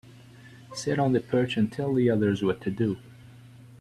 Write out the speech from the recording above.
Sit on the perch and tell the others what to do.